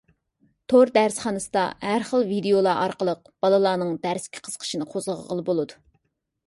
تور دەرسخانىسىدا ھەر خىل ۋىدىيولار ئارقىلىق بالىلارنىڭ دەرسكە قىزىقىشىنى قوزغىغىلى بولىدۇ.